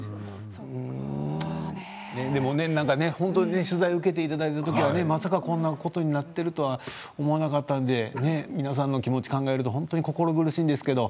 本当に取材を受けていただいた時はまさかこんなことになっているとは思わなかったので皆さんの気持ちを考えると心苦しいんですけれど